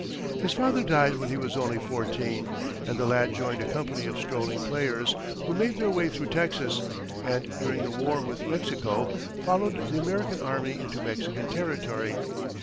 His father died when he was only fourteen, and the lad joined a company of strolling players, who made their way through Texas, and during the war with Mexico, followed the American army into Mexican territory.